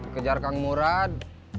kejar kang murad